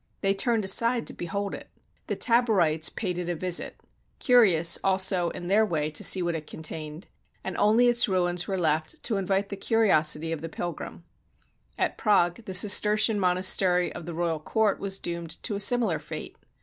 They turned aside to behold it. The Taborites paid it a visit — cu rious also in their way to see what it contained — and only its ruins were left to invite the curiosity of the pil grim. At Prague, the Cistercian monastery of the royal court was doomed to a similar fate.